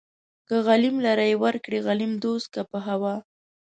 که غليم لره يې ورکړې غليم دوست کا په هوا